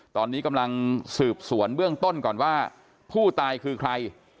ตอนนี้กำลังสืบสวนเบื้องต้นก่อนว่าผู้ตายคือใคร